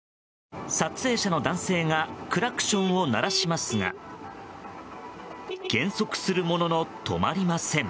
撮影者の男性がクラクションを鳴らしますが減速するものの止まりません。